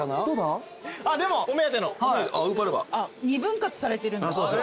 ２分割されてるんだ。